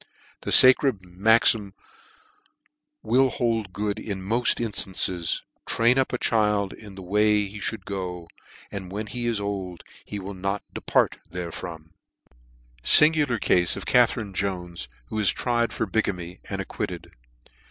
The /acred maxim will hold good in moft in fiances: " train up a child in the way he mould fc goj and when he is old he will not depart * f therefrom." Singular Cafe of CATHERINE JONES, who was tried for Bigamy, and acquitted.